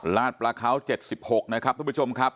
ลาดประเขา๗๖นะครับทุกผู้ชมครับ